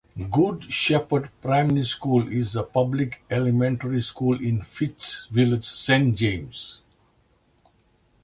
Good Shepherd Primary School is a public elementary school in Fitts Village, Saint James.